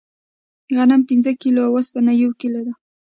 غنم پنځه کیلو او اوسپنه یو کیلو ده.